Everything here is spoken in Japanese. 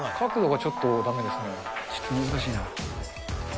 ちょっと難しいな。